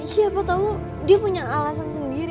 siapa tau dia punya alasan sendiri